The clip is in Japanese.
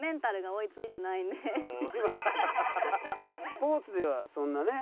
スポーツではそんなね。